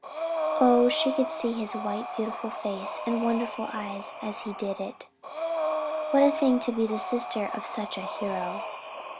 Oh, she could see his white beautiful face and wonderful eyes as he did it! What a thing to be the sister of such a hero!